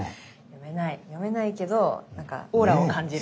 読めない読めないけどなんかオーラを感じる。